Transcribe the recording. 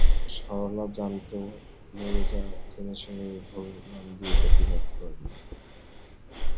সরলা জানত নীরজা জেনেশুনেই ভুল নামদিয়ে প্রতিবাদ করলে।